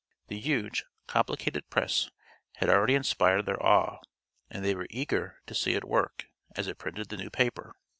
The huge, complicated press had already inspired their awe, and they were eager to "see it work" as it printed the new paper.